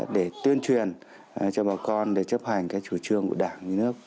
để tuyên truyền cho bà con để chấp hành cái chủ trương của đảng nhà nước